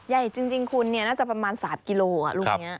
ใหญ่จริงคุณเนี่ยน่าจะประมาณ๓กิโลกรัมลูกแบบนี้